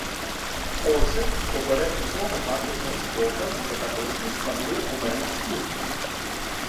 Отже, поперед усього матимеш доказ, яка точність панує у мене в службі.